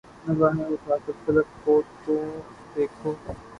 نگاھیں اٹھا کر فلک کو تو دیکھو